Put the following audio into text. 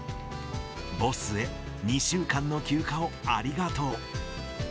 ボスへ、２週間の休暇をありがとう。